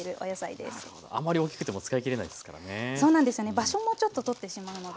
場所もちょっと取ってしまうので。